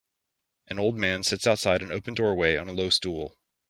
An old man sits outside an open doorway on a low stool